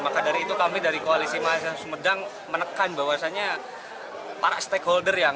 maka dari itu kami dari koalisi mahasiswa sumedang menekan bahwasannya para stakeholder yang